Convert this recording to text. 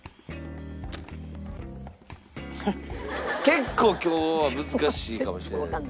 結構今日は難しいかもしれないですね。